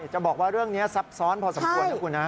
จะบอกว่าเรื่องนี้ซับซ้อนพอสมควรนะคุณนะ